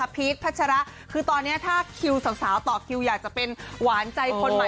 พีชพัชระคือตอนนี้ถ้าคิวสาวต่อคิวอยากจะเป็นหวานใจคนใหม่